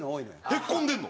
へっこんでるの？